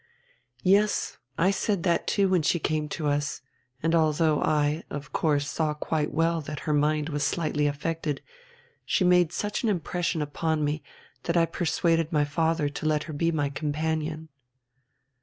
"Yes, I said that too when she came to us, and although I, of course, saw quite well that her mind was slightly affected, she made such an impression upon me that I persuaded my father to let her be my companion."